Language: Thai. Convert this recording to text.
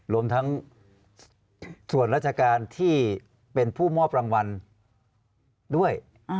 รวมทั้งส่วนราชการที่เป็นผู้มอบรางวัลด้วย